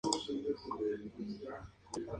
Y así se lo recomendó a Helmut Kohl.